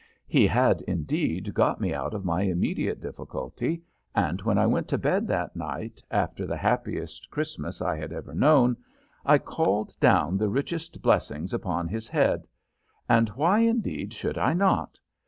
He had indeed got me out of my immediate difficulty, and when I went to bed that night, after the happiest Christmas I had ever known, I called down the richest blessings upon his head; and why, indeed, should I not?